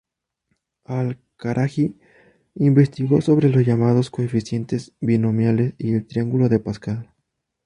Al-Karaji investigó sobre los llamados coeficientes binomiales y el triángulo de Pascal.